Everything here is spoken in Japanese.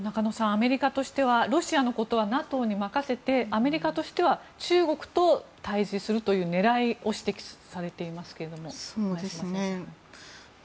アメリカとしてはロシアのことはＮＡＴＯに任せてアメリカとしては中国と対峙するという狙いを指摘されていますが。